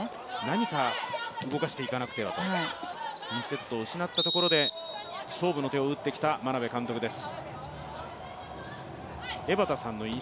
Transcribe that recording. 何か動かしていかなくてはと、２セットを失ってから、勝負の手を打ってきた眞鍋監督です。